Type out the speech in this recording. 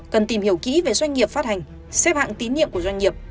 cần tìm hiểu kỹ về doanh nghiệp phát hành xếp hạng tín nhiệm của doanh nghiệp